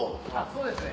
そうですね。